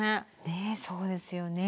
ねえそうですよね。